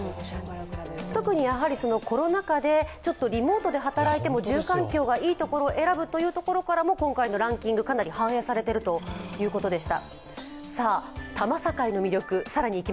特にコロナ禍でちょっとリモートで働いても住環境がいいところを選ぶところからも今回のランキング、かなり反映されているということでした。